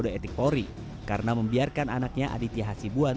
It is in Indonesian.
kode etik polri karena membiarkan anaknya aditya hasibuan